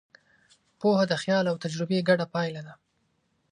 پوهه د خیال او تجربې ګډه پایله ده.